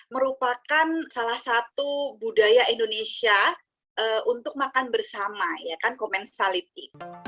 merupakan salah satu budaya indonesia untuk makan bersama ya kan commansality